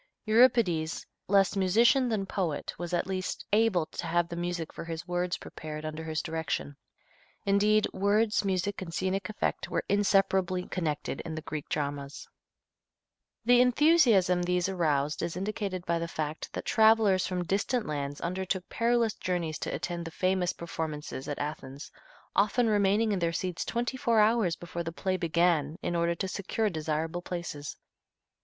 Euripides, less musician than poet, was at least able to have the music for his works prepared under his direction. Indeed, words, music and scenic effect were inseparably connected in the Greek dramas. [Illustration: CORELLI] The enthusiasm these aroused is indicated by the fact that travelers from distant lands undertook perilous journeys to attend the famous performances at Athens, often remaining in their seats twenty four hours before the play began in order to secure desirable places.